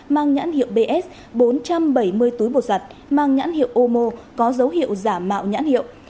mang nhãn hiệu bs bốn trăm bảy mươi túi bột giặt mang nhãn hiệu ômo có dấu hiệu giả mạo nhãn hiệu